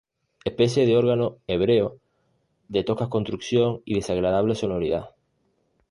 Especie de órgano hebreo de tosca construcción y desagradable sonoridad.